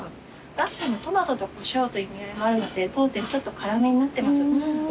ラッサムトマトとコショウという意味合いもあるので当店ちょっと辛めになってます。